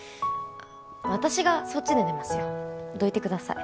私がそっちで寝ますよどいてください